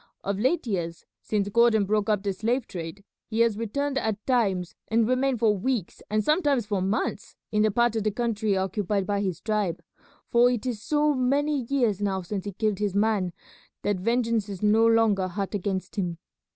Of late years, since Gordon broke up the slave trade, he has returned at times and remained for weeks and sometimes for months in the part of the country occupied by his tribe, for it is so many years now since he killed his man that vengeance is no longer hot against him.